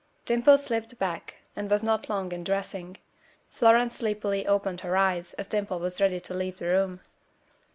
Dimple slipped back, and was not long in dressing. Florence sleepily opened her eyes as Dimple was ready to leave the room.